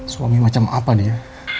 suami macam apa dia